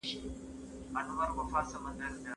مه غواړه ناصحه زما له ستوني څخه ستا ویل